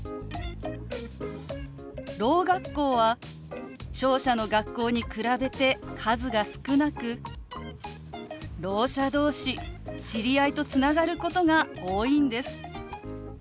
ろう学校は聴者の学校に比べて数が少なくろう者同士知り合いとつながることが多いんです。